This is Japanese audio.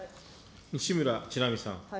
西村智奈美さん。